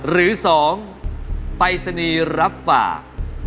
หรือสองปรายสนีรับฝาก